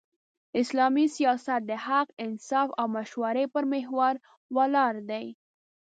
اسلامي سیاست د حق، انصاف او مشورې پر محور ولاړ دی.